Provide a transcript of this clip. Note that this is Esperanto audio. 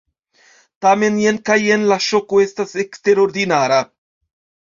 Tamen jen kaj jen la ŝoko estas eksterordinara.